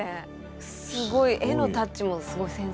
すごい絵のタッチもすごい繊細ですね。